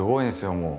もう。